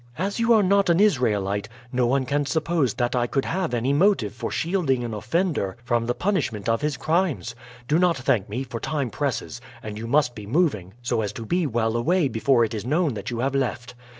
As you are not an Israelite, no one can suppose that I could have any motive for shielding an offender from the punishment of his crimes. Do not thank me, for time presses, and you must be moving, so as to be well away before it is known that you have left.